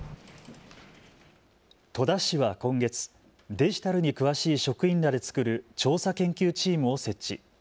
戸田市は今月、デジタルに詳しい職員らで作る調査研究チームを設置。